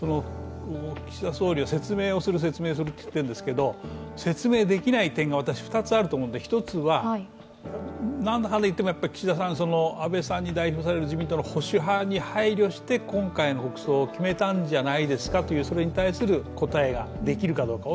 岸田総理は説明する、説明すると言っているんですけど説明できない点が２つあると思うんですが１つは、なんだかんだいっても岸田さん、安倍さんに代表される自民党の保守派に配慮して今回の国葬を決めたんじゃないですかと、それに対する答えができるかどうか。